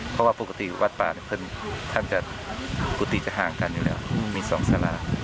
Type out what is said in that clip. เพราะว่าปกติวัดปลาท่านจะปกติจะห่างกันอยู่แล้วมีสองสารา